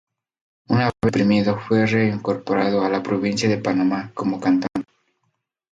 Una vez suprimido fue reincorporado a la provincia de Panamá como cantón.